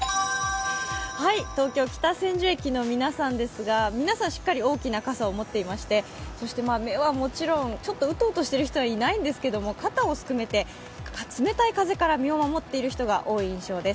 東京・北千住駅の皆さんですが皆さん、傘をしっかり持ってましてそして目はもちろん、ちょっとうとうとしている人はいないんですけど、肩をすくめて冷たい風から身を守っている人が多いと思います。